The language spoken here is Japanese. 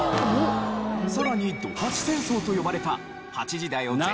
さらに土８戦争と呼ばれた『８時だョ！